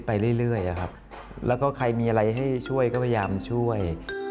ไปเรื่อยอะครับแล้วก็ใครมีอะไรให้ช่วยก็พยายามช่วย